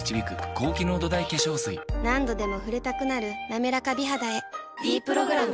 何度でも触れたくなる「なめらか美肌」へ「ｄプログラム」